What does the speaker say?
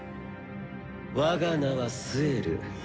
我が名はスエル。